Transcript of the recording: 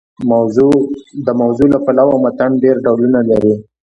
د موضوع له پلوه متن ډېر ډولونه لري.